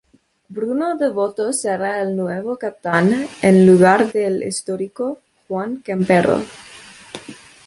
Bruno Devoto será el nuevo capitán en lugar del histórico Juan Campero.